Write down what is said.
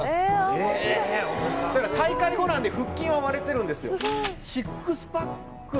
え⁉大会後なんで腹筋は割れてるんですよ。